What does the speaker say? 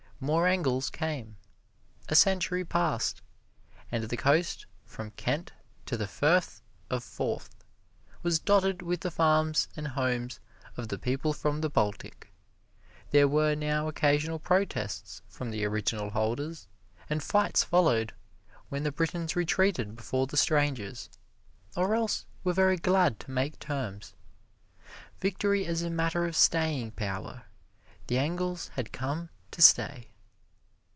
More Engles came. A century passed, and the coast, from Kent to the Firth of Forth, was dotted with the farms and homes of the people from the Baltic. There were now occasional protests from the original holders, and fights followed, when the Britons retreated before the strangers, or else were very glad to make terms. Victory is a matter of staying power. The Engles had come to stay.